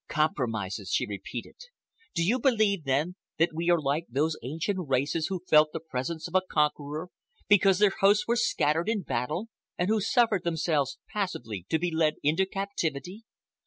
"Compromises!" she repeated. "Do you believe, then, that we are like those ancient races who felt the presence of a conqueror because their hosts were scattered in battle, and who suffered themselves passively to be led into captivity?